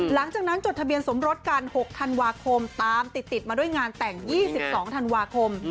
จดทะเบียนสมรสกัน๖ธันวาคมตามติดมาด้วยงานแต่ง๒๒ธันวาคม